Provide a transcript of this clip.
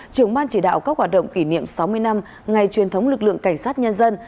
trưởng ban chỉ đạo các hoạt động kỷ niệm sáu mươi năm ngày truyền thống lực lượng cảnh sát nhân dân